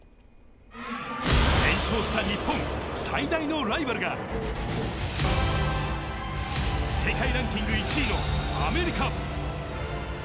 連勝した日本最大のライバルが世界ランキング１位のアメリカ。